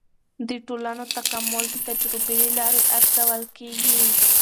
د ټولنو تکامل د تجربو له لارې ارزول کیږي.